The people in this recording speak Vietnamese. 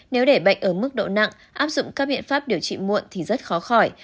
nếu để bệnh ở mức độ nặng áp dụng các biện pháp điều trị muộn thì rất khó khỏi